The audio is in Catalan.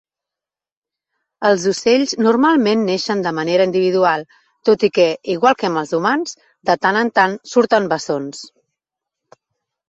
Els ocells normalment neixen de manera individual, tot i que, igual que amb els humans, de tant en tant surten bessons.